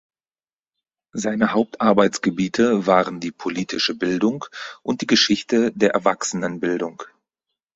Seine Hauptarbeitsgebiete waren die Politische Bildung und die Geschichte der Erwachsenenbildung.